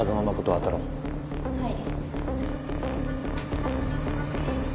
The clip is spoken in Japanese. はい。